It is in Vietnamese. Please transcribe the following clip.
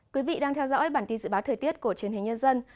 quý vị đang theo dõi bản tin dự báo thời tiết của truyền hình nhân dân